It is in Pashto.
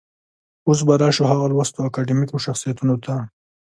اوس به راشو هغه لوستو اکاډمیکو شخصيتونو ته.